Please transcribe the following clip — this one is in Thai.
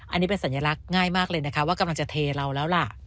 อันนี้เป็นสัญลักษณ์ง่ายมากเลยนะคะว่ากำลังจะเทเราแล้วล่ะ